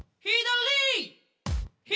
「左！」